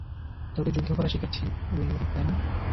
তোকে যুদ্ধ করা শিখাচ্ছি, উইলহেম!